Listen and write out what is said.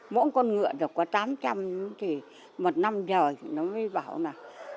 mỗi con ngựa được có tám trăm linh thì một năm giờ thì nó mới bảo là